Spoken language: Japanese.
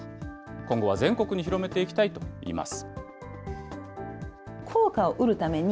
今後は全国に広めていきたいといいます。